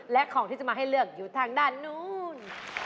และของที่จะมาให้เลือกอยู่ทางด้านนู้น